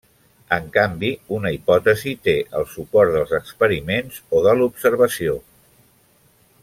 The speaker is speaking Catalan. En canvi, una hipòtesi té el suport dels experiments, o de l'observació.